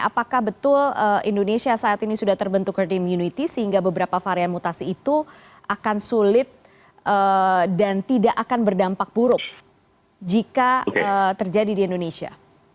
apakah betul indonesia saat ini sudah terbentuk herd immunity sehingga beberapa varian mutasi itu akan sulit dan tidak akan berdampak buruk jika terjadi di indonesia